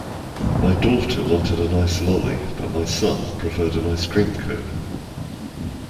My daughter wanted an ice lolly, but my son preferred an ice cream cone